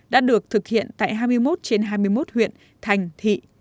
đã được thực hiện tại hai mươi một trên hai mươi một huyện thành thị